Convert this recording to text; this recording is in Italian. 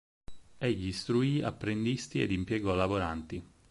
Egli istruì apprendisti ed impiegò lavoranti.